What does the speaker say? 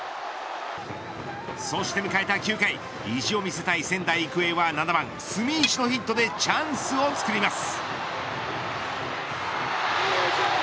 そして迎えた９回意地を見せたい仙台育英は７番住石のヒットでチャンスを作ります。